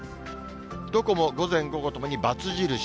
どこも午前、午後ともにばつ印。